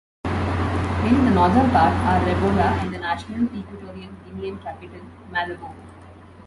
In the northern part are Rebola and the national Equatorial Guinean capital, Malabo.